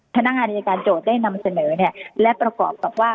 ท่านิการโจทย์ได้นำเสนอและประกอบแบบว่า